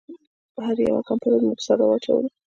هغې یوه کمپله زما په سر را واچوله